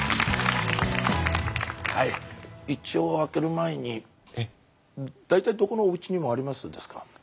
一応開ける前に大体どこのおうちにもありますですか？